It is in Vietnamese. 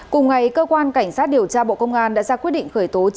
cùng ngày cơ quan cảnh sát điều tra bộ công an đã ra quyết định khởi tố